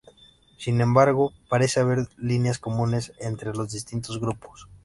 Sin embargo, parece haber líneas comunes entre los distintos grupos.